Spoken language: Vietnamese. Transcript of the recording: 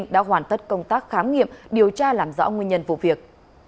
đã hoàn tất công tác khám nghiệm điều tra làm rõ nguyên nhân vụ việc